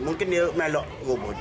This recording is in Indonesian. mungkin dia meluk rubuhnya